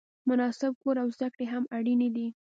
مناسب کور او زده کړې هم اړینې دي.